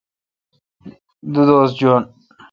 دو دوس جواین۔